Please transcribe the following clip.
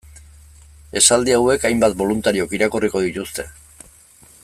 Esaldi hauek hainbat boluntariok irakurriko dituzte.